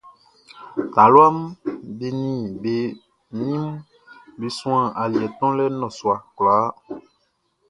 Taluaʼm be nin be ninʼm be suan aliɛ tonlɛ nnɔsua kwlaa.